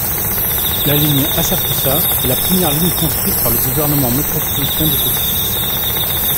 La ligne Asakusa est la première ligne construite par le Gouvernement métropolitain de Tokyo.